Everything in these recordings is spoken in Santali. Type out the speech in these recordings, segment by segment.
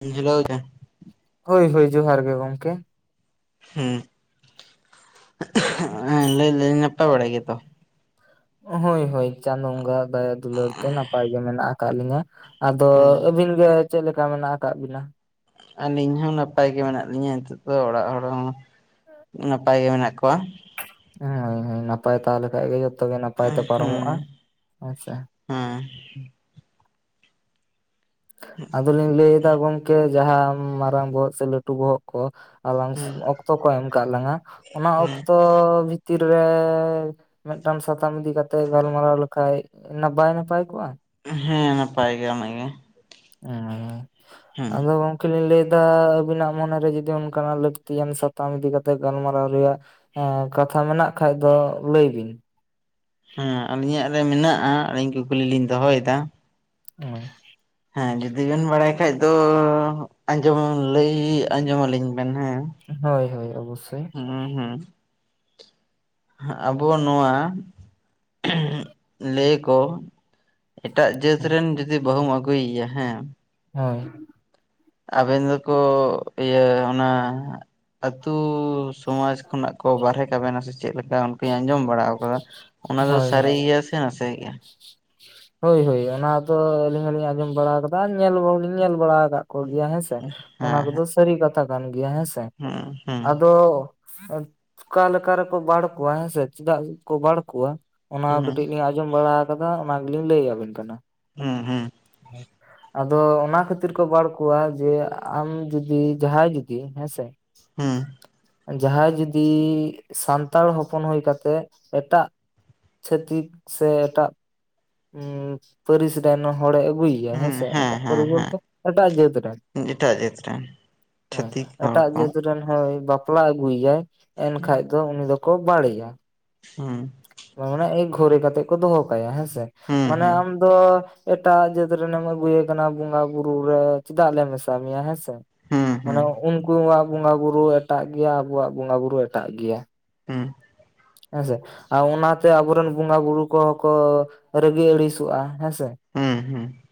ᱮᱱ ᱦᱤᱞᱳ ᱜᱮ ᱦᱳᱭ ᱦᱳᱭ ᱡᱚᱦᱟᱨ ᱜᱮ ᱜᱚᱝᱠᱮ᱾ ᱦᱩᱸ ᱦᱮᱸ ᱞᱟᱹᱭᱞᱤᱧ ᱱᱟᱯᱟᱭ ᱵᱟᱲᱟ ᱜᱮᱭᱟ ᱛᱚ᱾ ᱦᱳᱭ ᱦᱳᱭ ᱪᱟᱸᱫᱳ ᱵᱚᱸᱜᱟ ᱟᱜ ᱫᱟᱭᱟ ᱫᱩᱞᱟᱹᱲ ᱛᱮ ᱱᱟᱯᱟᱭ ᱜᱮ ᱢᱮᱱᱟᱜ ᱟᱠᱟᱫ ᱞᱤᱧᱟ᱾ ᱟᱫᱚ ᱦᱮᱸ ᱟᱹᱵᱤᱱ ᱜᱮ ᱪᱮᱫ ᱞᱮᱠᱟ ᱢᱮᱱᱟᱜ ᱟᱠᱟᱜ ᱵᱤᱱᱟ? ᱟᱹᱞᱤᱧ ᱦᱚᱸ ᱱᱟᱯᱟᱭ ᱜᱮ ᱢᱮᱱᱟᱜ ᱞᱤᱧᱟᱹ ᱱᱤᱛᱚᱜ ᱫᱚ ᱚᱲᱟᱜ ᱦᱚᱲ ᱦᱚᱸ ᱱᱟᱯᱟᱭ ᱜᱮ ᱢᱮᱱᱟᱜ ᱠᱚᱣᱟ᱾ ᱦᱳᱭ ᱦᱳᱭ ᱱᱟᱯᱟᱭ ᱛᱟᱦᱮ ᱞᱮᱠᱷᱟᱭ ᱜᱮ ᱡᱚᱛᱚ‌ ᱜᱮ ᱱᱟᱯᱟᱭ ᱛᱮ ᱯᱟᱨᱚᱢᱚᱜᱼᱟ ᱦᱮᱸ ᱦᱮᱸᱥᱮ᱾ ᱦᱮᱸ ᱟᱫᱚᱞᱤᱧ ᱞᱟᱹᱭ ᱮᱫᱟ ᱜᱚᱝᱠᱮ ᱡᱟᱦᱟᱸ ᱢᱟᱨᱟᱝ ᱵᱚᱦᱚᱜ ᱥᱮ ᱞᱟᱹᱴᱩ ᱵᱚᱦᱚᱜ ᱠᱚ ᱟᱞᱟᱝᱥ ᱚᱠᱛᱚ ᱠᱚ ᱮᱢ ᱠᱟᱜ ᱞᱟᱝ-ᱟ ᱚᱱᱟ ᱚᱠᱛᱚ ᱵᱷᱤᱛᱤᱨ ᱨᱮ ᱢᱤᱫᱴᱟᱝ ᱥᱟᱛᱟᱢ ᱤᱫᱤ ᱠᱟᱛᱮ ᱜᱟᱞᱢᱟᱨᱟᱣ ᱞᱮᱠᱷᱟᱭ ᱚᱱᱟ ᱵᱟᱭ ᱱᱟᱯᱟᱭ ᱠᱚᱜᱼᱟ᱾ ᱦᱮᱸ ᱱᱟᱯᱟᱭ ᱜᱮ ᱚᱱᱟ ᱜᱮ᱾ ᱚᱸ ᱟᱫᱚ [unintelligible] ᱠᱮ ᱞᱤᱞ ᱞᱟᱹᱭᱫᱟ ᱟᱵᱤᱱᱟᱜ ᱢᱚᱱᱮᱨᱮ ᱡᱩᱫᱤ ᱚᱱᱠᱟᱱᱟᱜ ᱞᱟᱹᱠᱛᱤᱭᱟᱱ ᱥᱟᱛᱟᱢ ᱤᱫᱤ ᱠᱟᱛᱮᱜ ᱜᱟᱞᱢᱟᱨᱟᱣ ᱨᱮᱭᱟᱜ ᱦᱚᱸ ᱠᱟᱛᱷᱟ ᱢᱮᱱᱟᱜ ᱠᱷᱟᱡ ᱫᱚ ᱞᱟᱹᱭ ᱵᱤᱱ᱾ ᱦᱮᱸ ᱟᱹᱞᱤᱧᱟᱜ ᱨᱮ ᱢᱮᱱᱟᱜᱼᱟ ᱟᱹᱞᱤᱧ ᱠᱩᱠᱞᱤ ᱞᱤᱧ ᱫᱚᱦᱚᱭᱮᱫᱟ? ᱦᱳᱭ ᱦᱮᱸ ᱡᱩᱫᱤ ᱵᱮᱱ ᱵᱟᱲᱟᱭ ᱠᱷᱟᱡ ᱫᱚ ᱟᱸᱡᱚᱢ ᱞᱟᱹᱭ ᱟᱸᱡᱚᱢ ᱟᱹᱞᱤᱧ ᱵᱮᱱ ᱦᱮᱸ᱾ ᱦᱳᱭ ᱦᱳᱭ ᱚᱵᱚᱥᱥᱳᱭ᱾ ᱦᱩᱸ ᱦᱩᱸ ᱦᱟᱸᱜ ᱟᱵᱚ ᱱᱚᱣᱟ ᱞᱟᱹᱭᱟ ᱠᱚ ᱮᱴᱟᱜ ᱡᱟᱹᱛ ᱨᱮᱱ ᱡᱩᱫᱤ ᱵᱟᱹᱦᱩᱢ ᱟᱹᱜᱩᱭᱮᱭᱟ ᱦᱮᱸ ᱾ ᱦᱳᱭ ᱾ ᱟᱵᱮᱱ ᱫᱚᱠᱚ ᱤᱭᱟᱹ ᱚᱱᱟ ᱟᱹᱛᱩ ᱥᱚᱢᱟᱡᱽ ᱠᱷᱚᱱᱟᱜ ᱠᱚ ᱵᱟᱨᱦᱮ ᱠᱟᱵᱮᱱᱟ ᱥᱮ ᱪᱮᱫ ᱞᱮᱠᱟ ᱚᱱᱠᱟᱧ ᱟᱸᱡᱚᱢ ᱵᱟᱲᱟ ᱟᱠᱟᱫᱟ ᱚᱱᱟ ᱫᱚ ᱦᱳᱭ ᱥᱟᱹᱨᱤ ᱜᱮᱭᱟ ᱥᱮ ᱱᱟᱥᱮ ᱜᱮᱭᱟ? ᱦᱤᱭ, ᱦᱳᱭ ᱚᱱᱟ ᱫᱚ ᱟᱹᱞᱤᱧ ᱦᱚᱞᱤᱧ ᱟᱸᱡᱚᱢ ᱵᱟᱲᱟ ᱟᱠᱟᱫᱟ ᱧᱮᱞ ᱦᱚᱞᱤᱧ ᱞᱤᱧ ᱧᱮᱞ ᱵᱟᱲᱟ ᱟᱠᱟᱫ ᱠᱚ ᱜᱮᱭᱟ ᱦᱮᱸ ᱥᱮ ᱾ ᱚᱱᱟ ᱦᱮᱸ ᱦᱮᱸ ᱠᱚᱫᱚ ᱥᱟᱹᱨᱤ ᱠᱟᱛᱷᱟ ᱠᱟᱱ ᱜᱮᱭᱟ ᱦᱮᱸ ᱥᱮ᱾ ᱦᱩᱸ ᱟᱫᱚ ᱦᱩᱸ ᱚᱠᱟ ᱞᱮᱠᱟ ᱨᱮᱠᱚ ᱵᱟᱲ ᱠᱚᱣᱟ ᱦᱮᱸ ᱥᱮ ᱪᱮᱫᱟᱜ ᱠᱚ ᱵᱟᱲ ᱠᱚᱣᱟ ᱚᱱᱟ ᱠᱟᱹᱴᱤᱡ ᱞᱤᱧ ᱟᱸᱡᱚᱢ ᱵᱟᱲᱟ ᱟᱠᱟᱫᱟ ᱚᱱᱟ ᱜᱮᱞᱤᱧ ᱞᱟᱹᱭ ᱟᱹᱵᱤᱱ ᱠᱟᱱᱟ ᱾ ᱦᱩᱸ, ᱦᱩᱸ ᱾ [inaudible] ᱟᱫᱚ ᱚᱱᱟ ᱠᱷᱟᱹᱛᱤᱨ ᱠᱚ ᱵᱟᱲ ᱠᱚᱣᱟ ᱡᱮ ᱟᱢ ᱡᱩᱫᱤ ᱡᱟᱦᱟᱸᱭ ᱡᱩᱫᱤ ᱦᱮᱸ ᱥᱮ - ᱦᱩᱸ ᱾ ᱡᱟᱦᱟᱸᱭ ᱡᱩᱫᱤ ᱥᱟᱱᱛᱟᱲ ᱦᱚᱯᱚᱱ ᱦᱩᱭ ᱠᱟᱛᱮᱜ ᱮᱴᱟᱜ ᱪᱷᱟᱹᱛᱤᱠ ᱥᱮ ᱮᱴᱟᱜ ᱯᱟᱹᱨᱤᱥ ᱨᱮᱱ ᱦᱚᱲᱮ ᱟᱹᱜᱩᱭᱮ ᱦᱮᱸ ᱦᱩᱸ ᱥᱮ ᱮᱴᱟᱜ ᱦᱮᱸ ᱯᱟᱹᱨᱤᱥ ᱦᱮᱸ ᱵᱚᱞᱛᱮ ᱮᱴᱟᱜ ᱡᱟᱹᱛ ᱨᱮᱱ ᱮᱴᱟᱜ ᱡᱟᱹᱛ ᱨᱮᱱ ᱦᱮᱸ ᱪᱷᱟᱹᱛᱤᱠ ᱦᱚᱲ ᱮᱴᱟᱜ ᱠᱚ ᱡᱟᱹᱛ ᱨᱮᱱ ᱦᱚᱭ ᱵᱟᱯᱞᱟ ᱟᱹᱜᱩᱭᱟᱭ ᱮᱱᱠᱷᱟᱱᱡ ᱫᱚ ᱩᱱᱤ ᱫᱚᱠᱚ ᱵᱟᱲᱮᱭᱟ᱾ ᱦᱩᱸ ᱾ ᱢᱟᱱᱮ ᱮᱠ ᱜᱷᱚᱨᱤ ᱠᱟᱛᱮᱜ ᱠᱚ ᱫᱚᱦᱚ ᱠᱟᱭᱟ ᱦᱮᱸ ᱥᱮ ᱾ ᱦᱩᱸ ᱢᱟᱱᱮ ᱦᱩᱸ ᱟᱢ ᱫᱚ ᱮᱴᱟᱜ ᱡᱟᱹᱛ ᱨᱮᱱ ᱮᱢ ᱟᱹᱜᱩᱭᱮ ᱠᱟᱱᱟ ᱵᱚᱸᱜᱟ ᱵᱩᱨᱩ ᱨᱮ ᱪᱮᱫᱟᱜ ᱞᱮ ᱢᱮᱥᱟ ᱢᱮᱭᱟ ᱦᱮᱸ ᱥᱮ ᱦᱩᱸ ᱾ ᱦᱩᱸ ᱢᱟᱱᱮ ᱩᱱᱠᱩᱣᱟᱜ ᱵᱚᱸᱜᱟ ᱵᱩᱨᱩ ᱮᱴᱟᱜ ᱜᱮᱭᱟ, ᱟᱵᱚᱣᱟᱜ ᱵᱚᱸᱜᱟ ᱵᱩᱨᱩ ᱮᱴᱟᱜ ᱜᱮᱭᱟ ᱾ ᱦᱮᱸ ᱾ ᱦᱮᱸ ᱥᱮ ᱟᱨ ᱚᱱᱟᱛᱮ ᱟᱵᱚᱨᱮᱱ ᱵᱚᱸᱜᱟ ᱵᱩᱨᱩ ᱠᱚᱦᱚᱸ ᱠᱚ ᱨᱟᱹᱜᱤ ᱟᱹᱲᱤᱥᱚᱜᱼᱟ ᱦᱮᱸ ᱥᱮ ᱾ ᱦᱮᱸ, ᱦᱮᱸ ᱾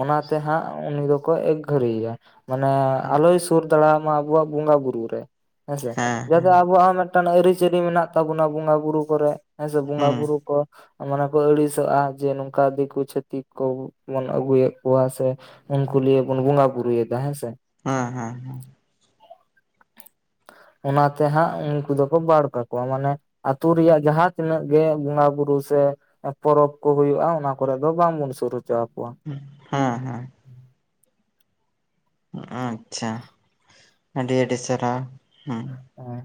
ᱚᱱᱟᱛᱮ ᱦᱟᱸᱜ ᱩᱱᱤ ᱫᱚᱠᱚ ᱮᱠᱜᱷᱟᱹᱨᱤᱭᱮᱭᱟ ᱢᱟᱱᱮ ᱦᱮᱸ ᱟᱞᱚᱭ ᱥᱩᱨ ᱫᱟᱲᱟᱵᱢᱟ ᱢᱟ, ᱟᱵᱚᱣᱟᱜ ᱵᱚᱸᱜᱟ ᱵᱩᱨᱩ ᱨᱮ ᱦᱮᱸ ᱥᱮ ᱡᱟᱛᱮ ᱦᱮᱸ ᱟᱵᱚᱣᱟᱜ ᱦᱚᱸ ᱢᱤᱫᱴᱟᱝ ᱟᱹᱨᱤᱪᱟᱞᱤ ᱢᱮᱱᱟᱜ ᱢᱮᱱᱟᱜ ᱛᱟᱵᱚᱱᱟ, ᱵᱚᱸᱜᱟ ᱵᱩᱨᱩ ᱠᱚᱨᱮ ᱦᱮᱸ ᱥᱮ ᱵᱚᱸᱜᱟ ᱦᱩᱸ ᱵᱩᱨᱩ ᱠᱚ ᱢᱟᱱᱮ ᱠᱚ ᱟᱹᱲᱤᱥᱚᱜᱼᱟ ᱡᱮ ᱱᱚᱝᱠᱟ ᱫᱤᱠᱩ ᱪᱷᱟᱹᱛᱤᱠ ᱠᱚᱵᱚᱱ ᱟᱹᱜᱩᱭᱮᱫ ᱠᱚᱣᱟ ᱥᱮ ᱾ ᱩᱱᱠᱩ ᱞᱤᱭᱮ ᱵᱚᱱ ᱵᱚᱸᱜᱟ ᱵᱩᱨᱩᱭᱮᱫᱟ ᱦᱮᱸ ᱥᱮ ᱾ ᱦᱮᱸ, ᱦᱮᱸ, ᱦᱮᱸ ᱾ ᱚᱱᱟᱛᱮ ᱦᱟᱸᱜ ᱩᱱᱠᱩ ᱫᱚᱠᱚ ᱵᱟᱲ ᱠᱟᱠᱚ ᱾ ᱢᱟᱱᱮ ᱟ ᱟᱹᱛᱩ ᱨᱮᱭᱟᱜ ᱡᱟᱦᱟᱸ ᱛᱤᱱᱟᱹᱜ ᱜᱮ ᱵᱚᱸᱜᱟ ᱵᱩᱨᱩ ᱥᱮ ᱯᱚᱨᱚᱵᱽ ᱠᱚ ᱦᱩᱭᱩᱜᱼᱟ, ᱚᱱᱟ ᱠᱚᱨᱮ ᱫᱚ ᱵᱟᱝᱵᱚᱱ ᱥᱩᱨ ᱦᱚᱪᱚ ᱟᱠᱚᱣᱟ ᱾ ᱦᱮᱸ, ᱦᱮᱸ ᱾ ᱟᱪᱪᱷᱟ ᱟᱹᱰᱤ, ᱟᱹᱰᱤ ᱥᱟᱨᱦᱟᱣ ᱦᱮᱸ ᱾ ᱦᱮᱸ ᱾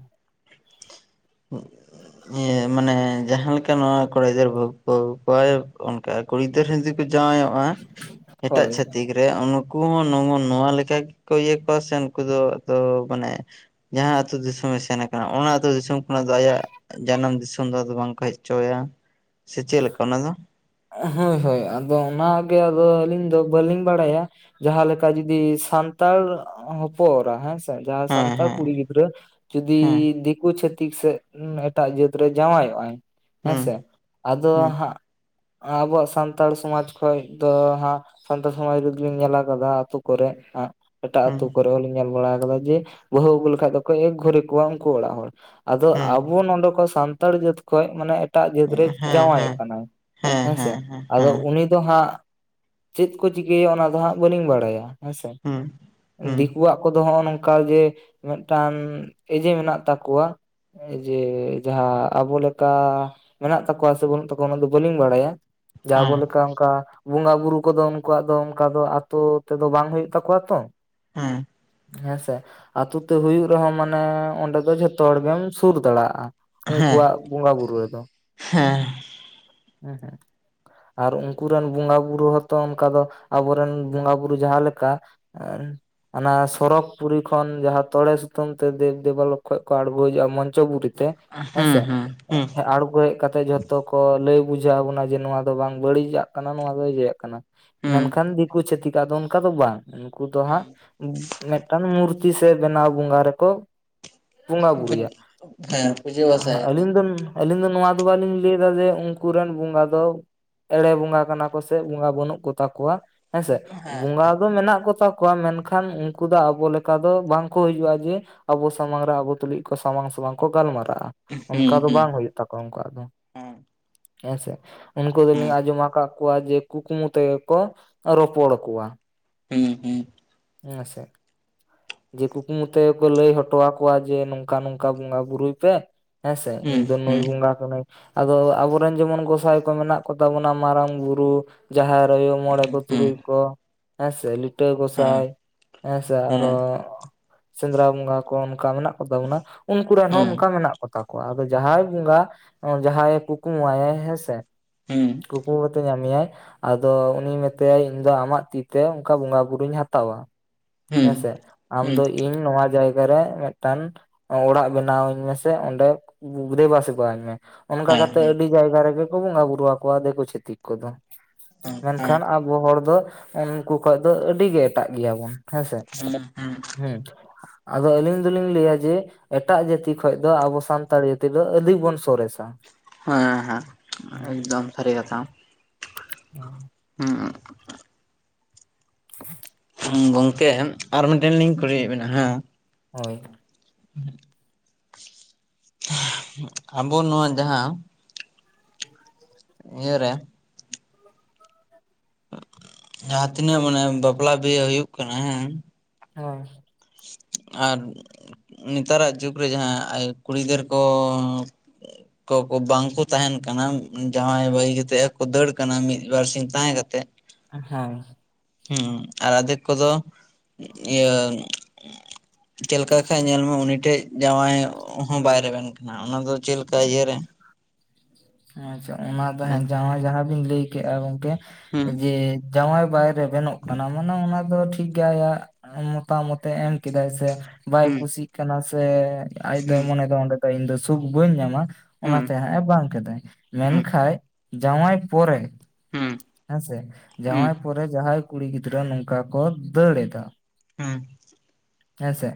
[inaudible] ᱢᱟᱱᱮ ᱡᱟᱦᱟᱸ ᱞᱮᱠᱟ ᱱᱚᱣᱟ ᱠᱚᱲᱟ ᱜᱤ ᱥᱮ ᱜᱤᱫᱟᱨ ᱵᱟᱹᱦᱩ ᱠᱚ ᱟᱜᱩᱠᱚᱣᱟ ᱚᱱᱠᱟ ᱠᱩᱲᱤ ᱜᱤᱫᱟᱹᱨ ᱡᱟᱶᱟᱭᱚᱜᱼᱟ ᱮᱴᱟᱜ ᱦᱳᱭ ᱪᱷᱟᱹᱛᱤᱠ ᱨᱮ ᱾ ᱩᱱᱩᱠᱩ ᱦᱚᱸ ᱱᱚᱣᱟ ᱞᱮᱠᱟ ᱜᱮᱠᱚ ᱤᱭᱟᱹ ᱠᱚᱣᱟ ᱥᱮ ᱱᱩᱠᱩ ᱫᱚ ᱢᱟᱱᱮ ᱡᱟᱦᱟᱸ ᱟᱹᱛᱩ ᱫᱤᱥᱚᱢ ᱮ ᱥᱮᱱ ᱟᱠᱟᱱᱟ ᱚᱱᱟ ᱟᱹᱛᱩ ᱫᱤᱥᱚᱢ ᱚᱱᱟ ᱫᱚ ᱟᱭᱟᱜ ᱡᱟᱱᱟᱢ ᱫᱤᱥᱚᱢ ᱫᱚ ᱟᱫᱚ ᱵᱟᱝ ᱠᱚ ᱦᱮᱡ ᱦᱚᱪᱚ ᱟᱭᱟ, ᱥᱮ ᱪᱮᱫ ᱞᱮᱠᱟ ᱟᱱᱟ ᱫᱚ? ᱦᱳᱭ ᱦᱳᱭ ᱟᱫᱚ ᱚᱱᱟᱜᱮ ᱟᱫᱚ ᱟᱹᱞᱤᱧ ᱫᱚ ᱵᱟᱹᱞᱤᱧ ᱵᱟᱲᱟᱭᱟ? ᱡᱟᱦᱟᱸ ᱞᱮᱠᱟ ᱡᱩᱫᱤ ᱥᱟᱱᱛᱟᱲ ᱦᱚᱯᱚᱮᱚᱨᱟ ᱦᱮᱸᱼᱼ ᱡᱟᱦᱟᱸ ᱦᱮᱸ ᱥᱟᱱᱛᱟᱲ ᱦᱮᱸ ᱠᱩᱲᱤ ᱜᱤᱫᱽᱨᱟᱹ ᱡᱫᱤ ᱦᱮᱸ ᱫᱤᱠᱩ ᱪᱷᱟᱹᱛᱤᱼᱼ ᱷᱛᱤᱠ ᱥᱮᱫ ᱮᱴᱟᱜ ᱡᱟᱹᱛ ᱨᱮ ᱡᱟᱶᱟᱭᱚᱜ ᱟᱭ ᱦᱮᱸ ᱦᱩᱸ ᱥᱮ ᱟᱫᱚ ᱦᱩᱸ ᱦᱟᱸᱜᱼᱼ ᱟᱵᱚᱣᱟᱜ ᱥᱟᱱᱛᱟᱲ ᱥᱚᱢᱟᱡᱽ ᱠᱷᱚᱡ ᱫᱚ ᱦᱟᱸᱜᱼᱼ ᱥᱟᱱᱛᱟᱲ ᱥᱚᱢᱟᱡᱽ ᱨᱮᱫᱚᱞᱤᱧ ᱧᱮᱞᱟ ᱟᱠᱟᱫᱟ ᱟᱛᱳ ᱠᱚᱨᱮ ᱦᱟᱸᱜᱼᱼ ᱮᱴᱟᱜ ᱦᱩᱸ ᱟᱹᱛᱩ ᱠᱚᱨᱮ ᱦᱚᱸᱧ ᱧᱮᱞ ᱵᱟᱲᱟ ᱠᱟᱫᱟ ᱡᱮ ᱵᱟᱹᱦᱩ ᱟᱹᱜᱩ ᱞᱮᱠᱷᱟᱡ ᱫᱚᱠᱚ ᱮᱠ ᱜᱷᱩᱨᱤ ᱠᱚᱣᱟ ᱩᱱᱠᱩ ᱚᱲᱟᱜ ᱦᱚᱲ᱾ ᱟᱫᱚ ᱦᱩᱸ ᱟᱵᱚ ᱱᱚᱰᱮ ᱠᱷᱚᱱ ᱥᱟᱱᱛᱟᱲ ᱡᱟᱹᱛ ᱠᱷᱚᱡ ᱢᱟᱱᱮ ᱮᱴᱟᱜ ᱡᱟᱹᱛ ᱦᱮᱸ ᱨᱮ ᱦᱮᱸ ᱡᱟᱶᱟᱭᱚᱜ ᱦᱮᱸ ᱠᱟᱱᱟᱭ᱾ ᱦᱮᱸ ᱦᱮᱸᱥᱮ ᱦᱮᱸ ᱟᱫᱚ ᱦᱮᱸ ᱩᱱᱤ ᱫᱚ ᱦᱟᱸᱜ ᱪᱮᱫ ᱠᱚ ᱪᱤᱠᱟᱹᱭᱟ ᱚᱱᱟ ᱫᱚ ᱦᱟᱸᱜ ᱵᱟᱹᱞᱤᱧ ᱵᱟᱲᱟᱭᱟ᱾ ᱦᱮᱸᱥᱮ ᱦᱩᱸ ᱦᱩᱸ ᱫᱤᱠᱩᱣᱟᱜ ᱠᱚᱫᱚ ᱦᱚᱜᱼᱚ ᱱᱚᱝᱠᱟ ᱡᱮᱼᱼ ᱢᱤᱫᱴᱟᱝ ᱮᱡᱮ ᱢᱮᱱᱟᱜ ᱛᱟᱠᱚᱣᱟ᱾ ᱡᱮ ᱡᱟᱦᱟᱸ ᱟᱵᱚ ᱞᱮᱠᱟ ᱢᱮᱱᱟᱜ ᱛᱟᱠᱚᱣᱟ ᱥᱮ ᱵᱟᱹᱱᱩᱜ ᱛᱟᱠᱚᱣᱟ ᱚᱱᱟ ᱫᱚ ᱵᱟᱹᱞᱤᱧ ᱵᱟᱲᱟᱭᱟ? ᱡᱟ ᱟᱵᱚ ᱦᱮᱸ ᱞᱮᱠᱟ ᱚᱱᱠᱟ᱾ ᱵᱚᱸᱜᱟ ᱵᱩᱨᱩ ᱠᱚᱫᱚ ᱩᱱᱠᱩᱣᱟᱜ ᱫᱚ ᱚᱱᱠᱟ ᱫᱚ ᱟᱛᱳ ᱛᱮᱫᱚ ᱵᱟᱝ ᱦᱩᱭᱩᱜ ᱛᱟᱠᱚᱣᱟ ᱛᱚ, ᱦᱮᱸᱻ ᱦᱮᱸᱥᱮ ᱟᱛᱳ ᱛᱮ ᱦᱩᱭᱩᱜ ᱨᱮᱦᱚᱸ ᱢᱟᱱᱮ ᱚᱸᱰᱮ ᱫᱚ ᱡᱷᱚᱛᱚ ᱦᱚᱲ ᱜᱮᱢ ᱥᱩᱨ ᱫᱟᱲᱮᱭᱟᱜᱼᱟ᱾ ᱦᱮᱸ ᱩᱱᱠᱩᱣᱟᱜ ᱵᱚᱸᱜᱟ ᱵᱩᱨᱩ ᱨᱮᱫᱚ ᱦᱮᱸ ᱦᱮᱸ ᱟᱨ ᱩᱱᱠᱳ ᱨᱮᱱ ᱵᱚᱸᱜᱟ ᱵᱩᱨᱩ ᱦᱚᱸᱛᱚ ᱚᱱᱠᱟ ᱫᱚ ᱟᱵᱚᱨᱮᱱ ᱵᱚᱸᱜᱟ ᱵᱩᱨᱩ ᱡᱟᱦᱟᱸᱮ ᱞᱮᱠᱟᱼᱼ ᱟᱨᱼᱼ ᱚᱱᱟ ᱥᱚᱨᱚᱠ ᱯᱩᱨᱤ ᱠᱷᱚᱱ ᱡᱟᱦᱟᱸ ᱛᱚᱲᱮ ᱥᱩᱛᱟᱹᱢ ᱛᱮ ᱫᱮᱵ ᱫᱮᱵᱟᱞᱚᱠ ᱠᱷᱚᱡ ᱠᱚ ᱟᱬᱜᱳ ᱦᱤᱡᱼᱟ ᱢᱚᱸᱡᱽᱼᱼ ᱪᱷᱚᱠ ᱜᱩᱴᱤᱛᱮ ᱦᱮᱸ ᱦᱮᱸᱥᱮ ᱦᱩᱸ ᱦᱩᱸ ᱟᱬᱜᱚ ᱦᱮᱡ ᱠᱟᱛᱮ ᱡᱷᱚᱛᱚ ᱠᱚ ᱞᱟᱹᱭ ᱵᱩᱡᱷᱟᱹᱣ ᱟᱵᱚᱱᱟ᱾ ᱡᱮ ᱱᱚᱣᱟ ᱫᱚ ᱵᱟᱝ ᱵᱟᱹᱲᱤᱡᱟᱜ ᱠᱟᱱᱟ ᱱᱚᱣᱟ ᱫᱚ ᱡᱮᱭᱟᱜ ᱠᱟᱱᱟ, ᱦᱩᱸ ᱢᱮᱱᱠᱷᱟᱱ ᱫᱤᱠᱩ ᱪᱷᱟᱹᱛᱤᱠᱟᱜ ᱫᱚ ᱚᱱᱠᱟ ᱫᱚ ᱵᱟᱝ᱾ ᱱᱩᱠᱩ ᱫᱚ ᱦᱟᱸᱜ ᱦᱩᱸ ᱢᱤᱫᱴᱟᱝ ᱢᱩᱨᱛᱤ ᱥᱮ ᱵᱮᱱᱟᱣ ᱵᱚᱸᱜᱟ ᱨᱮᱠᱚᱼᱼ ᱵᱚᱸᱜᱟ ᱵᱩᱨᱩᱭᱟ᱾ ᱦᱮᱸ ᱯᱩᱡᱟᱹ ᱵᱟᱥᱟᱭᱟ ᱟᱹᱞᱤᱧ ᱠᱚ ᱨᱮᱱᱼᱼ ᱟᱞᱤᱧ ᱫᱚ ᱱᱚᱣᱟ ᱫᱚ ᱵᱟᱞᱤᱧ ᱞᱟᱹᱭ ᱮᱫᱟ ᱡᱮ ᱩᱱᱠᱩ ᱨᱮᱱ ᱵᱚᱸᱜᱟᱼᱼ ᱫᱚ ᱮᱲᱮ ᱵᱚᱸᱜᱟ ᱠᱟᱱᱟ ᱠᱚ ᱥᱮ ᱵᱚᱸᱜᱟ ᱵᱟᱹᱱᱩᱜ ᱠᱚᱛᱟ ᱠᱚᱣᱟ᱾ ᱦᱮᱸᱥᱮ ᱵᱚᱸᱜᱟ ᱫᱚ ᱢᱮᱱᱟᱜ ᱠᱚᱛᱟ ᱣᱟ ᱢᱮᱱᱠᱷᱟᱱ ᱩᱱᱠᱩ ᱫᱚ ᱟᱵᱚ ᱞᱮᱠᱟ ᱫᱚ ᱵᱟᱝ ᱠᱚ ᱦᱤᱡᱩᱜᱼᱟ ᱡᱮᱼᱼ ᱟᱵᱚ ᱥᱟᱢᱟᱝ ᱨᱮ ᱟᱵᱩ ᱛᱩᱞᱩᱡ ᱠᱚ ᱥᱟᱢᱟᱝ ᱥᱟᱢᱟᱝ ᱠᱚ ᱜᱟᱞᱢᱟᱨᱟᱜᱼᱟ᱾ ᱦᱩᱸ ᱚᱱᱠᱟ ᱫᱚ ᱦᱩᱸ ᱵᱟᱝ ᱦᱩᱭᱩᱜ ᱛᱟᱠᱚᱣᱟ ᱩᱱᱠᱩᱣᱟᱜ ᱫᱚ ᱦᱩᱸ ᱦᱮᱸ ᱥᱮ᱾ ᱩᱱᱠᱩ ᱫᱚᱞᱤᱧ ᱟᱸᱡᱚᱢ ᱟᱠᱟᱫ ᱠᱚᱣᱟ ᱡᱮ ᱠᱩᱠᱢᱩ ᱛᱮᱜᱮ ᱠᱚ ᱨᱚᱯᱚᱲ ᱠᱚᱣᱟ᱾ ᱦᱩᱸ ᱦᱩᱸ ᱦᱮᱸᱥᱮ ᱡᱮ ᱠᱩᱠᱢᱩ ᱛᱮ ᱠᱚ ᱞᱟᱹᱭ ᱦᱚᱴᱚᱣᱟ ᱠᱚᱣᱟ ᱡᱮ ᱱᱚᱝᱠᱟ ᱱᱚᱝᱠᱟ ᱵᱚᱸᱜᱟ ᱵᱩᱨᱩᱭ ᱯᱮ᱾ ᱦᱮᱸ ᱥᱮ ᱦᱩᱸ ᱤᱧ ᱦᱩᱸ ᱫᱚ ᱦᱩᱸ ᱱᱩᱭ ᱵᱚᱸᱜᱟ ᱠᱟᱹᱱᱟᱹᱧ ᱟᱫᱚ ᱟᱵᱚᱨᱮᱱ ᱡᱮᱢᱚᱱ ᱜᱚᱸ ᱡᱟᱦᱟᱭ ᱠᱚ ᱢᱮᱱᱟᱜ ᱠᱚᱛᱟ ᱵᱚᱱᱟ ᱢᱟᱨᱟᱝ ᱵᱩᱨᱩ, ᱡᱟᱦᱮᱨ ᱟᱭᱳ, ᱦᱮᱸ ᱦᱮᱸ ᱢᱚᱬᱮ ᱦᱩᱸ ᱠᱚ ᱦᱩᱸ ᱛᱩᱨᱩᱭ ᱠᱚ᱾ ᱦᱮᱸᱥᱮ ᱞᱤᱴᱟᱹ ᱜᱚᱸᱥᱟᱭ ᱦᱮᱸᱥᱮ ᱟᱨᱚᱼᱼ ᱦᱩᱸ ᱦᱩᱸ ᱦᱮᱸ ᱥᱮᱸᱫᱽᱨᱟ ᱵᱚᱸᱜᱟ ᱠᱚ ᱚᱱᱠᱟ ᱢᱮᱱᱟᱜ ᱠᱚᱛᱟ ᱵᱚᱱᱟ, ᱩᱱᱠᱩ ᱨᱮᱱ ᱦᱚᱸ ᱦᱮᱸ ᱚᱱᱠᱟ ᱢᱮᱱᱟᱜ ᱠᱚᱛᱟᱼᱼ ᱠᱚᱣᱟ ᱟᱫᱚ ᱡᱟᱦᱟᱸᱭ ᱵᱚᱸᱜᱟ ᱡᱟᱦᱟᱸᱭᱮ ᱠᱩᱠᱢᱩᱟᱭ ᱦᱮᱸ ᱥᱮ ᱦᱩᱸ ᱠᱩᱠᱢᱩ ᱠᱟᱛᱮ ᱧᱟᱢᱮᱭᱟᱭ᱾ ᱟᱫᱚ ᱩᱱᱤ ᱢᱮᱛᱟᱭᱟ ᱤᱧᱫᱚ ᱟᱢᱟᱜ ᱛᱤᱛᱮ ᱚᱱᱠᱟ ᱵᱚᱸᱜᱟ ᱵᱩᱨᱩᱧ ᱦᱟᱛᱟᱣᱟ᱾ ᱦᱮᱸ ᱦᱮᱸᱥᱮ ᱟᱢ ᱫᱚ ᱤᱧ ᱱᱚᱣᱟ ᱡᱟᱭᱜᱟ ᱨᱮ ᱢᱤᱫᱴᱟᱝᱼᱼ ᱚᱲᱟᱜ ᱵᱮᱱᱟᱣ ᱟᱹᱧ ᱢᱮᱥᱮ ᱚᱸᱰᱮ ᱜᱩᱫᱮᱵᱟᱥᱮᱵᱟᱧ ᱢᱮ᱾ ᱚᱱᱠᱟ ᱠᱟᱛᱮᱜ ᱟᱹᱰᱤ ᱡᱟᱭᱜᱟ ᱨᱮᱜᱮ ᱠᱚ ᱵᱚᱸᱜᱟ ᱵᱩᱨᱩ ᱟᱠᱚᱣᱟ ᱫᱤᱠᱩ ᱪᱷᱟᱹᱛᱤᱠ ᱠᱚᱫᱚ ᱢᱮᱱ ᱠᱷᱟᱱᱼᱼ ᱟᱵᱚ ᱦᱚᱲ ᱫᱚ ᱩᱱᱠᱩ ᱠᱷᱚᱡ ᱫᱚ ᱟᱹᱰᱤ ᱜᱮ ᱮᱴᱟᱜ ᱜᱮᱭᱟ ᱵᱚᱱ᱾ ᱦᱮᱸᱥᱮ ᱦᱮᱸ ᱦᱮᱸ ᱦᱩᱸ, ᱟᱫᱚ ᱟᱹᱞᱤᱧ ᱫᱚᱞᱤᱧ ᱞᱟᱹᱭᱟ ᱡᱮ ᱮᱴᱟᱜ ᱡᱟᱹᱛᱤ ᱠᱷᱚᱡ ᱫᱚ ᱟᱵᱚ ᱥᱟᱱᱛᱟᱲ ᱡᱟᱹᱛᱤ ᱫᱚ ᱟᱹᱫᱤᱵᱚᱱ ᱥᱚᱨᱮᱥᱟ᱾ ᱦᱮᱸ ᱦᱮᱸ ᱮᱠᱫᱚᱢ ᱥᱟᱹᱨᱤ ᱠᱟᱛᱷᱟ ᱦᱩᱸ [unintelligible] [unintelligible] ᱜᱚᱝᱠᱮ ᱟᱨ ᱢᱤᱫᱴᱮᱱ ᱞᱤᱧ ᱠᱩᱞᱤᱭᱮᱫ ᱵᱮᱱᱟ ᱦᱮᱸ ᱦᱳᱭ [unintelligible] ᱟᱵᱚ ᱱᱚᱣᱟ ᱡᱟᱦᱟᱸ [unintelligible] ᱤᱭᱟᱹ ᱨᱮ ᱡᱟᱦᱟᱸ ᱛᱤᱱᱟᱹᱜ ᱢᱮᱱᱟ ᱵᱟᱯᱞᱟ ᱵᱤᱦᱟᱹ ᱦᱩᱭᱩᱜ ᱠᱟᱱᱟ ᱦᱮᱸ [unintelligible] ᱟᱨ ᱱᱮᱛᱟᱨᱟᱜ ᱡᱩᱜᱽ ᱨᱮ ᱡᱟᱦᱟᱸ ᱟᱭᱳ, ᱠᱩᱲᱤ ᱜᱤᱫᱟᱹᱨ ᱠᱚ ᱠᱚᱠᱚ ᱵᱟᱝᱠᱚ ᱛᱟᱦᱮᱸᱱ ᱠᱟᱱᱟ, ᱡᱟᱸᱶᱟᱭ ᱵᱟᱹᱜᱤ ᱠᱟᱛᱮ ᱦᱚᱸᱠᱚ ᱫᱟᱹᱲ ᱠᱟᱱᱟ ᱢᱤᱫᱵᱟᱨ ᱥᱤᱧ ᱛᱟᱦᱮᱸ ᱠᱟᱛᱮ [unintelligible] ᱦᱩᱸ ᱟᱨ ᱟᱫᱷᱮᱠ ᱠᱚᱫᱚ ᱤᱭᱟᱹ ᱪᱮᱫᱞᱮᱠᱟ ᱠᱷᱟᱡ ᱧᱮᱞ ᱢᱮ ᱩᱱᱤ ᱴᱷᱮᱡ ᱡᱟᱶᱟᱭᱚᱜ ᱦᱚᱸ ᱵᱟᱭ ᱨᱮᱵᱮᱱ ᱠᱟᱱᱟ ᱚᱱᱟ ᱫᱚ ᱪᱮᱫ ᱞᱮᱠᱟ ᱤᱭᱟᱹᱨᱮ ᱟᱪᱷᱟ ᱚᱱᱟ ᱛᱮ ᱦᱩᱸ [unintelligible] ᱡᱟᱶᱟᱭ ᱡᱟᱦᱟᱸ ᱵᱤᱱ ᱞᱟᱹᱭ ᱠᱮᱫᱼᱟ ᱜᱚᱝᱠᱮ ᱦᱩᱸ ᱡᱮ ᱡᱟᱶᱟᱭ ᱵᱟᱭ ᱨᱮᱵᱮᱱᱚᱜ ᱠᱟᱱᱟ ᱢᱟᱱᱮ ᱚᱱᱟ ᱫᱚ ᱴᱷᱤᱠ ᱜᱮᱭᱟ ᱟᱭᱟᱜ ᱢᱚᱛᱟᱢᱚᱛᱮ ᱮᱢ ᱠᱮᱫᱟᱭ ᱥᱮ ᱵᱟᱭ ᱦᱩᱸ ᱠᱩᱥᱤᱜ ᱠᱟᱱᱟ ᱥᱮ ᱟᱡ ᱫᱚᱭ ᱢᱚᱱᱮ ᱫᱚ ᱚᱸᱰᱮ ᱫᱚ ᱤᱧ ᱫᱚ ᱥᱩᱠ ᱵᱟᱹᱧ ᱧᱟᱢᱟ ᱦᱩᱸ ᱚᱱᱟᱛᱮ ᱦᱟᱸᱜ ᱮ ᱵᱟᱝ ᱠᱮᱫᱟᱭ, ᱢᱮᱱᱠᱷᱟᱱ [unintelligible] ᱡᱟᱶᱟᱭ ᱯᱚᱨᱮ ᱦᱩᱸ ᱦᱮᱸᱥᱮ ᱦᱩᱸ ᱡᱟᱶᱟᱭ ᱯᱚᱨᱮ ᱡᱟᱦᱟᱸᱭ ᱠᱩᱲᱤ ᱜᱤᱫᱽᱨᱟᱹ ᱱᱚᱝᱠᱟ ᱠᱚ ᱫᱟᱹᱲ ᱮᱫᱟ ᱾ ᱦᱩ ᱦᱮᱸᱥᱮ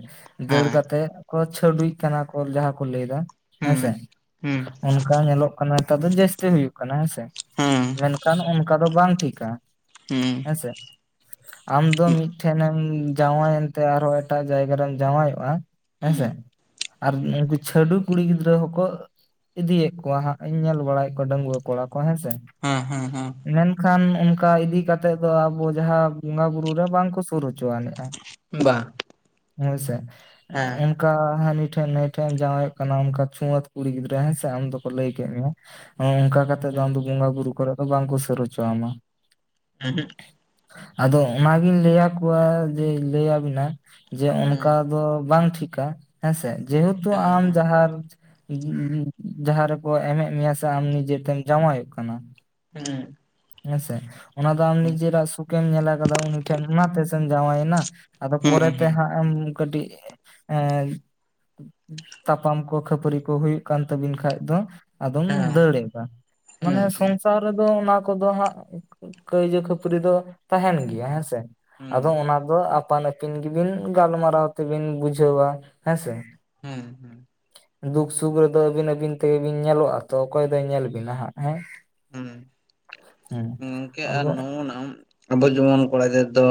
ᱫᱟᱹᱲ ᱠᱟᱛᱮᱜ ᱠᱚ ᱪᱷᱟᱹᱰᱩᱭ ᱠᱟᱱᱟ ᱠᱚ ᱡᱟᱦᱟᱸ ᱠᱚ ᱞᱟᱹᱭᱫᱟ ᱾ ᱦᱩᱸ ᱦᱮᱸᱥᱮ ᱦᱩᱸ ᱚᱱᱠᱟ ᱧᱮᱞᱚᱜ ᱠᱟᱱᱟ ᱱᱮᱛᱟᱨ ᱫᱚ ᱡᱟᱹᱥᱛᱤ ᱦᱩᱭᱩᱜ ᱠᱟᱱᱟ ᱦᱮᱸ ᱥᱮ? ᱦᱮᱸ ᱢᱮᱱᱠᱷᱟᱱ ᱚᱱᱠᱟ ᱫᱚ ᱵᱟᱝ ᱴᱷᱤᱠᱟ ᱦᱩ [unintelligible] ᱟᱢ ᱫᱚ ᱢᱤᱫᱴᱷᱮᱱᱮᱢ ᱡᱟᱶᱟᱭᱮᱱᱛᱮ ᱟᱨᱦᱚᱸ ᱮᱴᱟᱜ ᱡᱟᱭᱜᱟ ᱨᱮᱢ ᱡᱟᱶᱟᱭᱚᱜᱼᱟ ᱦᱮᱸ ᱦᱩᱸ ᱥᱮ ᱟᱨ ᱩᱱᱠᱩ ᱪᱷᱟᱹᱰᱩ ᱠᱩᱲᱤ ᱜᱤᱫᱽᱨᱟᱹ ᱦᱚᱠᱚ ᱤᱫᱤᱭᱮᱫ ᱠᱚᱣᱟ ᱦᱟᱸᱜ ‌᱾ ᱤᱧ ᱧᱮᱞ ᱵᱟᱲᱟᱭᱮᱫ ᱠᱚᱣᱟ ᱰᱟᱺᱜᱩᱣᱟᱹ ᱠᱚᱲᱟ ᱠᱚ ᱦᱮᱸ ᱥᱮ ᱾ ᱦᱮᱸ ᱦᱮᱸ ᱦᱮᱸ ᱾ ᱢᱮᱱᱠᱷᱟᱱ ᱚᱱᱠᱟ ᱤᱫᱤ ᱠᱟᱛᱮᱜ ᱫᱚ ᱟᱵᱚ ᱡᱟᱦᱟᱸ ᱵᱚᱸᱜᱟ ᱵᱩᱨᱩ ᱨᱮ ᱵᱟᱝ ᱠᱩ ᱥᱩᱨ ᱦᱚᱪᱚ ᱟᱱᱤᱡᱼᱟ ᱵᱟᱝ ᱦᱮᱥᱮ ᱦᱮᱸ ᱚᱱᱠᱟ ᱦᱟᱹᱱᱤ ᱴᱷᱮᱱ ᱱᱟᱭ ᱴᱷᱮᱱ ᱮᱢ ᱡᱟᱶᱟᱭᱚᱜ ᱠᱟᱱᱟ ᱚᱱᱠᱟ ᱪᱷᱩᱭᱟᱹᱛ ᱠᱩᱲᱤ ᱜᱤᱫᱽᱨᱟᱹ ᱦᱮᱸᱮ ᱟᱢ ᱫᱚᱠᱚ ᱞᱟᱹᱭ ᱠᱮᱫ ᱢᱮᱭᱟ ᱱᱚᱜ ᱚᱱᱠᱟ ᱠᱟᱛᱮᱜ ᱫᱚ ᱦᱩᱸ ᱟᱢᱫᱚ ᱵᱚᱸᱜᱟ ᱵᱩᱨᱩ ᱠᱚᱨᱮ ᱫᱚ ᱵᱟᱝᱠᱚ ᱥᱟᱹᱨ ᱦᱚᱪᱚ ᱟᱢᱟ ᱾ ᱩᱦᱩᱜ ᱾ ᱟᱫᱚ ᱚᱱᱟᱜᱤᱧ ᱞᱟᱹᱭᱟᱠᱚᱣᱟ ᱡᱮ ᱞᱟᱹᱭᱟᱵᱤᱱᱟ ᱡᱮ ᱦᱩᱸ ᱚᱱᱠᱟ ᱫᱚ ᱵᱟᱝ ᱴᱷᱤᱠᱟ ᱦᱮᱸᱥᱮ ᱡᱮᱦᱮᱛᱩ ᱦᱮᱸ ᱟᱢ ᱦᱮᱸ ᱡᱟᱦᱟᱸ [unintelligible] ᱡᱟᱦᱟᱸ ᱨᱮᱠᱚ ᱮᱢᱮᱫ ᱢᱮᱭᱟ ᱥᱮ ᱟᱢ ᱱᱤᱡᱮᱛᱮᱢ ᱡᱟᱶᱟᱭᱚᱜ ᱠᱟᱱᱟ [unintelligible] ᱦᱮᱸ ᱥᱮ, ᱚᱱᱟ ᱫᱚ ᱟᱢ ᱱᱤᱡᱮᱨᱟᱜ ᱥᱩᱠᱮᱢ ᱧᱮᱞᱟᱠᱟᱫᱟ ᱩᱱᱤ ᱴᱷᱮᱱ ᱚᱱᱟᱛᱮ ᱥᱮᱢ ᱡᱟᱶᱟᱭᱮᱱᱟ ᱾ ᱟᱫᱚ ᱦᱩᱸ ᱯᱚᱨᱮᱛᱮ ᱦᱟᱸᱜ ᱮᱢ ᱠᱟᱹᱴᱤᱡ, ᱮᱸᱻ ᱛᱟᱯᱟᱢ ᱠᱚ ᱠᱷᱟᱹᱯᱟᱹᱨᱤ ᱠᱚ ᱦᱩᱭᱩᱜ ᱠᱟᱱ ᱛᱟᱵᱤᱱ ᱠᱷᱟᱡ ᱫᱚ, ᱟᱫᱚᱢ ᱦᱮᱸ ᱫᱟᱹᱲ ᱮᱫᱟ, ᱦᱩᱸ ᱢᱟᱱᱮ ᱦᱩᱸ ᱥᱚᱝᱥᱟᱨ ᱨᱮᱫᱚ ᱚᱱᱟ ᱠᱚᱫᱚ ᱦᱟᱸᱜ, ᱠᱟᱹᱭᱡᱩ ᱠᱷᱟᱹᱯᱟᱹᱨᱤ ᱫᱚ ᱛᱟᱦᱮᱸᱱ ᱜᱮᱭᱟ ᱦᱮᱸ ᱥᱮ ᱾ ᱦᱩᱸ ᱟᱫᱚ ᱚᱱᱟ ᱫᱚ ᱟᱯᱟᱱ ᱟᱹ ᱯᱤᱱ ᱜᱮ ᱵᱤᱱ ᱜᱟᱞᱢᱟᱨᱟᱣ ᱛᱮᱵᱤᱱ ᱵᱩᱡᱷᱟᱹᱣᱟ ᱦᱮᱸ ᱥᱮ ᱾ ᱦᱩᱸ ᱦᱩᱸ ᱾ ᱫᱩᱠ ᱥᱩᱠ ᱨᱮᱫᱚ ᱟᱹᱵᱤᱱ ᱟᱹᱵᱤᱱ ᱛᱮᱜᱮ ᱵᱤᱱ ᱧᱮᱞᱚᱜᱼᱟ ᱛᱚ ᱚᱠᱚᱭ ᱫᱚᱭ ᱧᱮᱞ ᱵᱤᱱᱟ ᱦᱟᱸᱜ ᱦᱮᱸ ᱾ ᱦᱩᱸ, ᱜᱚᱝᱠᱮ ᱟᱨ ᱟᱫᱚ ᱱᱚᱜ-ᱱᱟᱢ ᱟᱵᱚ ᱡᱮᱢᱚᱱ ᱠᱚᱲᱟ ᱜᱤᱫᱨᱟᱹ ᱫᱚ,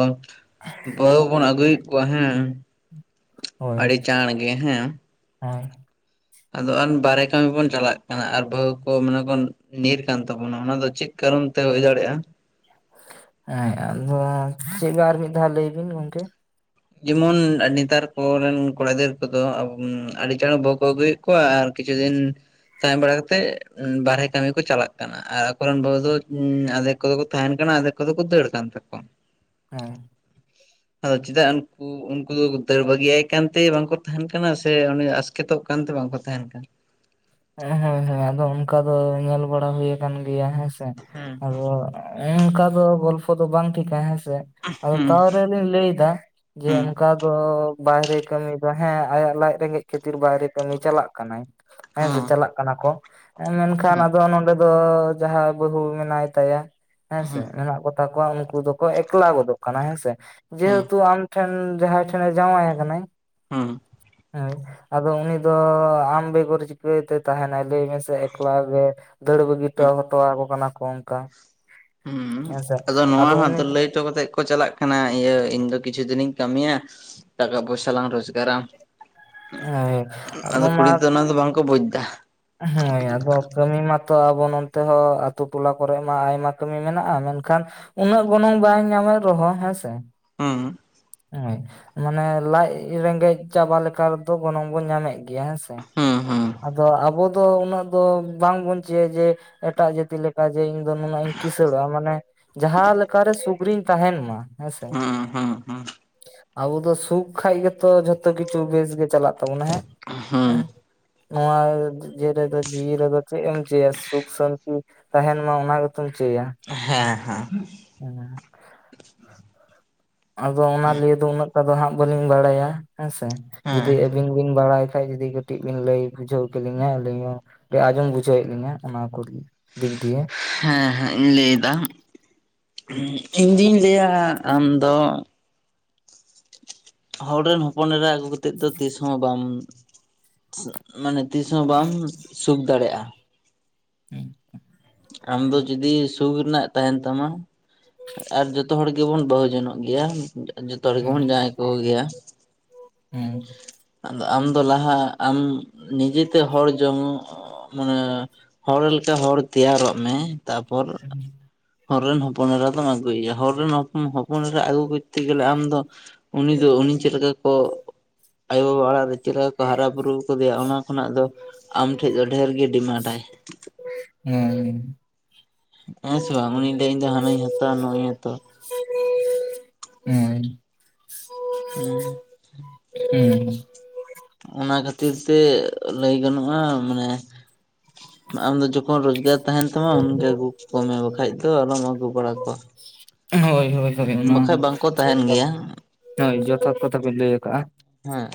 ᱵᱟᱹᱦᱩ ᱵᱚᱱ ᱟᱹᱜᱩᱭᱮᱫ ᱠᱚᱣᱟ ᱦᱮᱸ, ᱟᱰᱤ ᱪᱟᱬ ᱜᱮ ᱦᱮᱸ᱾ ᱦᱚᱭ, ᱟᱫᱚ ᱟᱱ ᱵᱟᱦᱨᱮ ᱠᱟᱹᱢᱤ ᱵᱚᱱ ᱪᱟᱞᱟᱜ ᱠᱟᱱᱟ ᱟᱨ ᱵᱟᱹᱦᱩ ᱠᱚ ᱢᱟᱱᱮ ᱵᱚᱱ ᱧᱤᱨ ᱠᱟᱱ ᱛᱟᱵᱚᱱᱟ ᱚᱱᱟ ᱫᱚ ᱪᱮᱫ ᱠᱟᱨᱚᱱ ᱛᱮ ᱦᱩᱭ ᱫᱟᱲᱮᱭᱟᱜᱼᱟ? ᱦᱮᱸ ᱟᱫᱚ ᱪᱮᱫ ᱵᱟ ᱟᱨ ᱢᱤᱫ ᱫᱷᱟᱣ ᱞᱟᱹᱭ ᱵᱤᱱ ᱜᱚᱝᱠᱮ? ᱡᱮᱢᱚᱱ ᱟᱨ ᱱᱮᱛᱟᱨ ᱠᱚᱨᱮᱱ ᱠᱚᱲᱟ ᱜᱤᱫᱟᱹᱨ ᱠᱚᱫᱚ ᱟᱹᱰᱤ ᱪᱟᱬ ᱵᱟᱹᱦᱩ ᱠᱚ ᱟᱹᱜᱩᱭᱮᱜ ᱠᱚᱣᱟ ᱟᱨ ᱠᱤᱪᱷᱩ ᱫᱤᱱ ᱛᱟᱦᱮᱸ ᱵᱟᱲᱟ ᱠᱟᱛᱮᱜ ᱵᱟᱨᱦᱮ ᱠᱟᱹᱢᱤ ᱠᱚ ᱪᱟᱞᱟᱜ ᱠᱟᱱᱟ ᱟᱨ ᱟᱠᱚᱨᱮᱱ ᱵᱟᱹᱵᱩ ᱫᱚ ᱟᱫᱷᱮᱠ ᱠᱚᱫᱚ ᱠᱚ ᱛᱟᱦᱮᱸᱱ ᱠᱟᱱᱟ, ᱟᱫᱷᱮᱠ ᱠᱚᱫᱚ ᱠᱚ ᱫᱟᱹᱲ ᱠᱟᱱ ᱛᱟᱠᱚᱣᱟ ᱾ ᱦᱮᱸ᱾ ᱟᱫᱚ ᱪᱮᱫᱟᱜ ᱠᱩ ᱩᱱᱠᱩ ᱫᱚ ᱫᱟᱹᱲ ᱵᱟᱹᱜᱤᱭᱟᱭ ᱠᱟᱱᱛᱮ ᱵᱟᱝᱠᱚ ᱛᱟᱦᱮᱸᱱ ᱠᱟᱱᱟ ᱥᱮ ᱩᱱᱤ ᱟᱥᱠᱮᱛᱚᱜ ᱠᱟᱱᱛᱮ ᱵᱟᱝᱠᱚ ᱛᱟᱦᱮᱸᱱ ᱠᱟᱱ? ᱦᱮᱸ ᱦᱮᱸ ᱦᱮᱸ ᱟᱫᱚ ᱚᱱᱠᱟ ᱫᱚ ᱧᱮᱞ ᱵᱟᱲᱟ ᱦᱩᱭ ᱟᱠᱟᱱ ᱜᱮᱭᱟ ᱦᱮᱸ ᱥᱮ, ᱦᱮᱸ ᱟᱫᱚ ᱚᱱᱠᱟ ᱫᱚ ᱜᱚᱞᱯᱚ ᱫᱚ ᱵᱟᱝ ᱴᱷᱤᱠᱟ ᱦᱮᱸ ᱥᱮ ᱟᱫᱚ ᱦᱮᱸ ᱛᱟᱣᱚᱨᱮᱞᱤᱧ ᱞᱟᱹᱭᱫᱟ, ᱡᱮ ᱦᱩᱸ ᱦᱩᱸ ᱚᱱᱠᱟ ᱫᱚ ᱵᱟᱭᱨᱮ ᱠᱟᱹᱢᱤ ᱫᱚ ᱦᱮᱸ ᱟᱭᱟᱜ ᱞᱟᱡ ᱨᱮᱸᱜᱮᱡ ᱠᱷᱟᱹᱛᱤᱨ ᱵᱟᱭᱨᱮ ᱠᱟᱹᱢᱤ ᱪᱟᱞᱟᱜ ᱠᱟᱱᱟᱭ, ᱦᱮᱸ ᱥᱮ ᱪᱟᱞᱟᱜ ᱠᱟᱱᱟ ᱠᱚ, ᱢᱮᱱᱠᱷᱟᱱ ᱟᱫᱚ ᱱᱚᱸᱰᱮ ᱫᱚ ᱡᱟᱦᱟᱸ ᱵᱟᱹᱦᱩ ᱢᱮᱱᱟᱭ ᱛᱟᱭᱟ ᱦᱮᱸ ᱦᱩᱸ ᱥᱮ ᱦᱩᱸ ᱢᱮᱱᱟᱜ ᱠᱚ ᱛᱟᱠᱚᱣᱟ ᱩᱱᱠᱩ ᱫᱚᱠᱚ ᱮᱠᱞᱟ ᱜᱚᱫᱚᱜ ᱠᱟᱱᱟ ᱦᱮᱸ ᱥᱮ, ᱡᱮᱦᱮᱛᱩ ᱟᱢ ᱴᱷᱮᱱ ᱡᱟᱦᱟᱸᱭ ᱴᱷᱮᱱᱮ ᱡᱟᱶᱟᱭ ᱟᱠᱟᱱᱟᱭ, ᱦᱩᱸ ᱦᱩᱸ᱾ ᱦᱳᱭ ᱟᱫᱚ ᱩᱱᱤ ᱫᱚ ᱟᱢ ᱵᱮᱜᱚᱨ ᱪᱤᱠᱟᱹᱭ ᱛᱮ ᱛᱟᱦᱮᱸᱱᱟᱭ ᱞᱟᱹᱭ ᱢᱮ ᱥᱮ ᱮᱠᱞᱟ ᱜᱮ ᱫᱟᱹᱲ ᱵᱟᱹᱜᱤ ᱦᱩᱸ ᱦᱩᱸ ᱴᱚᱣᱟᱣ ᱦᱚᱴᱚᱣᱟᱣ ᱟᱠᱚ ᱠᱟᱱᱟ ᱠᱚ ᱚᱱᱠᱟ᱾ ᱦᱮᱸ ᱥᱮ ᱟᱫᱚ ᱩᱱᱤ ᱪᱚ ᱠᱟᱛᱮᱜ ᱠᱚ ᱪᱟᱞᱟᱜ ᱠᱟᱱᱟ ᱤᱭᱟᱹ ᱤᱧ ᱫᱚ ᱠᱤᱪᱷᱩ ᱫᱤᱱᱤᱧ ᱠᱟᱹᱢᱤᱭᱟ, ᱴᱟᱠᱟ ᱯᱚᱭᱥᱟ ᱞᱟᱝ ᱨᱚᱡᱽ ᱜᱟᱨᱟᱢ, ᱦᱳᱭ ᱟᱫᱚ ᱠᱩᱲᱤ ᱛᱚ ᱚᱱᱟ ᱫᱚ ᱵᱟᱝᱠᱚ ᱵᱩᱡᱽ ᱫᱟ᱾ ᱩᱸ ᱦᱳᱭ ᱟᱫᱚ ᱠᱟᱹᱢᱤ ᱢᱟᱛᱚ ᱟᱵᱚ ᱱᱚᱱᱛᱮ ᱦᱚᱸ ᱟᱛᱩ ᱴᱚᱞᱟ ᱠᱚᱨᱮᱜ ᱢᱟ ᱟᱭᱢᱟ ᱠᱟᱹᱢᱤ ᱢᱮᱱᱟᱜ-ᱟ, ᱢᱮᱱᱠᱷᱟᱱ ᱩᱱᱟᱹᱜ ᱜᱚᱱᱚᱝ ᱵᱟᱝ ᱧᱟᱢᱮᱫ ᱨᱮᱦᱚᱸ ᱦᱮᱸᱥᱮ, ᱦᱩᱸ᱾ ᱦᱚᱭ, ᱢᱟᱱᱮ ᱞᱟᱡ ᱨᱮᱸᱜᱮᱡ ᱪᱟᱵᱟ ᱞᱮᱠᱟ ᱨᱮᱫᱚ ᱜᱚᱱᱚᱝ ᱵᱚᱱ ᱧᱟᱢᱮᱜ ᱜᱮᱭᱟ ᱦᱮᱸᱥᱮ, ᱦᱩᱸ ᱦᱩᱸ ᱟᱫᱚ ᱟᱵᱚ ᱫᱚ ᱩᱱᱟᱹᱜ ᱫᱚ ᱵᱟᱝ ᱵᱚᱱ ᱪᱟᱹᱭᱟ ᱡᱮ ᱮᱴᱟᱜ ᱡᱟᱹᱛᱤ ᱞᱮ ᱠᱟ ᱡᱮ ᱤᱧ ᱫᱚ ᱱᱩᱱᱟᱹᱜ ᱤᱧ ᱠᱤᱥᱟᱹᱬᱚᱜ-ᱟ ᱢᱟᱱᱮ ᱡᱟᱦᱟᱸ ᱞᱮᱠᱟᱨᱮ ᱥᱩᱠᱨᱤᱧ ᱛᱟᱦᱮᱸᱱ ᱢᱟ ᱦᱮᱸ ᱦᱩᱸ ᱦᱩᱸ ᱦᱩᱸ᱾ ᱟᱵᱚ ᱫᱚ ᱥᱩᱠ ᱠᱷᱟᱡ ᱜᱮᱛᱚ ᱡᱷᱚᱛᱚ ᱠᱤᱪᱷᱩ ᱵᱮᱥ ᱜᱮ ᱪᱟᱞᱟᱜ ᱛᱟᱵᱚᱱᱟ ᱦᱮᱸ, ᱦᱩᱸ ᱦᱮᱸ᱾ ᱱᱚᱣᱟ ᱡᱮ ᱨᱮᱫᱚ ᱡᱤᱣᱤ ᱨᱮᱫᱚ ᱪᱮ ᱮᱢ ᱪᱟᱹᱭᱟ ᱥᱩᱠ ᱥᱟᱹᱱᱛᱤ ᱛᱟᱦᱮᱱ ᱢᱟ ᱚᱱᱟ ᱜᱮᱛᱚᱢ ᱪᱟᱹᱭᱟ᱾ ᱦᱮᱸ ᱦᱮᱸ ᱦᱮᱸ ᱟᱫᱚ ᱚᱱᱟ ᱞᱤᱭᱮ ᱫᱚ ᱩᱱᱟᱹᱜ ᱴᱟ ᱫᱚ ᱦᱟᱸᱜ ᱵᱟᱹᱞᱤᱧ ᱵᱟᱲᱟᱭᱟ ᱦᱮᱸᱥᱮ ᱦᱮᱸ ᱡᱩᱫᱤ ᱟᱹᱵᱤᱱ ᱵᱤᱱ ᱵᱟᱲᱟᱭ ᱠᱷᱟᱡ ᱡᱩᱫᱤ ᱠᱟᱹᱴᱤᱡ ᱵᱤᱱ ᱞᱟᱹᱭ ᱵᱩᱡᱷᱟᱹᱣ ᱠᱮᱞᱤᱧᱟ ᱟᱹᱞᱤᱧ ᱦᱚᱸ ᱰᱤ ᱟᱸᱡᱚᱢ ᱵᱩᱡᱷᱟᱹᱣᱮᱫ ᱞᱤᱧᱟᱹ ᱚᱱᱟ ᱠᱚ ᱫᱤᱠ ᱫᱤᱠ ᱫᱤᱭᱮ᱾ ᱦᱮᱸ ᱦᱮᱸ ᱤᱧ ᱞᱟᱹᱭ ᱫᱟ ᱤᱧ ᱫᱩᱧ ᱞᱟᱹᱭᱟ ᱟᱢ ᱫᱚ ᱦᱚᱲ ᱨᱮᱱ ᱦᱚᱯᱚᱱ ᱮᱨᱟ ᱟᱹᱜᱩ ᱠᱟᱛᱮᱫ ᱫᱚ ᱛᱤᱥ ᱦᱚᱸ ᱵᱟᱢ ᱢᱟᱱᱮ ᱛᱤᱥᱦᱚᱸ ᱵᱟᱢ ᱥᱩᱠ ᱫᱟᱲᱮᱜ-ᱟ᱾ ᱦᱮᱸ ᱟᱢ ᱫᱚ ᱡᱩᱫᱤ ᱥᱩᱠ ᱨᱮᱱᱟᱜ ᱛᱟᱦᱮᱱ ᱛᱟᱢᱟ ᱟᱨ ᱡᱚᱛᱚ ᱦᱚᱲ ᱜᱮᱵᱚᱱ ᱵᱟᱹᱦᱩ ᱡᱚᱱᱚᱜ ᱜᱮᱭᱟ ᱡᱚᱛᱚ ᱦᱚᱲ ᱜᱮᱵᱚᱱ ᱡᱟᱶᱟᱭ ᱠᱚ ᱜᱮᱭᱟ᱾ ᱦᱮᱸ ᱟᱫᱚ ᱟᱢᱫᱚ ᱞᱟᱦᱟ ᱟᱢ ᱱᱤᱡᱮᱛᱮ ᱦᱚᱲ ᱡᱚᱝᱚᱜ ᱢᱟᱱᱮ ᱦᱚᱲ ᱞᱮᱠᱟ ᱦᱚᱲ ᱛᱮᱭᱟᱨᱚᱜ ᱢᱮ ᱛᱟᱯᱚᱨ ᱦᱮᱸ [inaudible] ᱦᱚᱨ ᱨᱮᱱ ᱦᱚᱯᱚᱱ ᱮᱨᱟ ᱫᱚᱢ ᱟᱹᱜᱩᱭ ᱭᱟ ᱦᱚᱨ ᱨᱮᱱ ᱦᱚᱯᱚᱱ ᱦᱚᱯᱚᱱ ᱮᱨᱟ ᱟᱹᱜᱩ ᱠᱚᱡᱛᱮ ᱜᱮᱞᱮ ᱟᱢ ᱫᱚ ᱩᱱᱤ ᱫᱚ ᱩᱱᱤ ᱪᱮᱫ ᱞᱮᱠᱟ ᱠᱚ ᱟᱭᱳᱵᱟᱵᱟ ᱚᱲᱟᱜ ᱨᱮ ᱪᱮᱫ ᱞᱮᱠᱟ ᱠᱚ ᱦᱟᱨᱟ ᱵᱩᱨᱩᱣ ᱠᱟᱫᱮᱭᱟ ᱚᱱᱟ ᱠᱷᱚᱱᱟᱜ ᱫᱚ ᱟᱢ ᱴᱷᱮᱡ ᱫᱚ ᱰᱷᱮᱨ ᱜᱮ ᱰᱤᱢᱟᱰ ᱟᱭ᱾ ᱦᱮᱸ ᱦᱮᱸ ᱥᱮ ᱵᱟᱝ ᱩᱱᱤ ᱞᱟᱹᱭᱟ ᱤᱧ ᱫᱚ ᱦᱟᱱᱟᱧ ᱦᱟᱛᱟᱣᱟ ᱱᱚᱣᱟᱧ ᱦᱟᱛᱟᱣ-ᱟ᱾ ᱦᱩᱸ ᱚ [unintelligible] ᱦᱩᱸ ᱚᱱᱟ ᱠᱷᱟᱹᱛᱤᱨ ᱛᱮ ᱞᱟᱹᱭ ᱜᱟᱱᱚᱜ-ᱟ ᱢᱟᱱᱮ ᱟᱢ ᱫᱚ ᱡᱚᱠᱷᱚᱱ ᱨᱚᱡᱽᱜᱟᱨ ᱛᱟᱦᱮᱱ ᱛᱟᱢᱟ ᱩᱱᱜᱮ ᱟᱹᱜᱩ ᱠᱚ ᱢᱮ ᱵᱟᱠᱷᱟᱡ ᱫᱚ ᱟᱞᱚᱢ ᱟᱹᱜᱩ ᱵᱟᱲᱟ ᱠᱚᱣᱟ᱾ ᱦᱳᱭ ᱦᱳᱭ ᱦᱳᱭ ᱚᱱᱟ ᱵᱟᱠᱷᱟᱡ ᱦᱚᱸ ᱵᱟᱝᱠᱚ ᱛᱟᱦᱮᱱ ᱜᱮᱭᱟ ᱦᱳᱭ ᱡᱚᱛᱷᱟᱛ ᱠᱟᱛᱷᱟ ᱵᱤᱱ ᱞᱟᱹᱭ ᱟᱠᱟᱜ-ᱟ᱾ ᱦᱮᱸ